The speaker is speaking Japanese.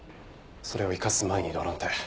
それを生かす前に異動なんて。